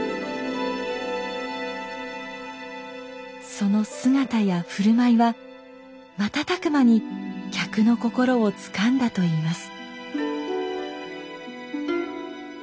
その姿や振る舞いは瞬く間に客の心をつかんだといいます。